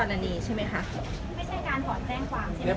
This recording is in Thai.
ได้ในวันนี้ครับ